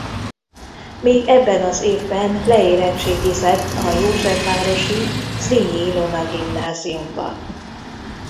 Még ebben az évben leérettségizett a józsefvárosi Zrínyi Ilona Gimnáziumban.